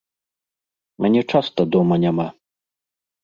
Мяне часта дома няма.